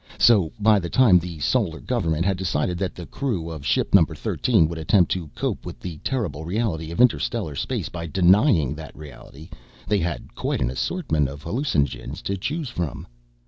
So by the time the Solar Government had decided that the crew of ship Number Thirteen would attempt to cope with the terrible reality of interstellar space by denying that reality, they had quite an assortment of hallucinogens to choose from.